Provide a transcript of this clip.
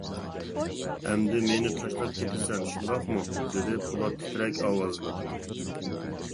-ئەمدى مېنى تاشلاپ كېتىسەن، شۇنداقمۇ؟ -دېدى پولات تىترەك ئاۋازدا.